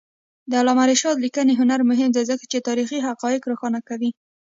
د علامه رشاد لیکنی هنر مهم دی ځکه چې تاریخي حقایق روښانه کوي.